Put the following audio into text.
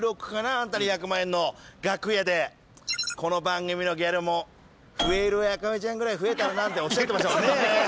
『アンタに１００万円』の楽屋で「この番組のギャラもふえるわかめちゃんぐらい増えたらな」っておっしゃってましたもんね。